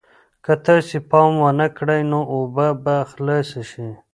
که تاسې پام ونه کړئ نو اوبه به خلاصې شي.